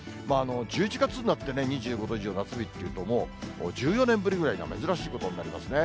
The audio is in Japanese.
１１月になってね、２５度以上、夏日っていうと、もう１４年ぶりぐらいの珍しいことになりますね。